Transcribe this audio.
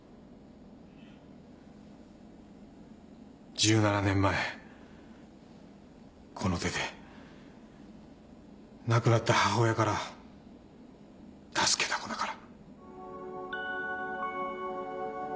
１７年前この手で亡くなった母親から助けた子だから。